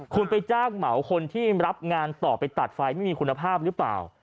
คุณไปจ้างเหมาคนที่รับงานต่อไปตัดไฟไม่มีคุณภาพหรือเปล่า